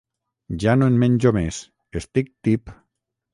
Ja no en menjo més; estic tip.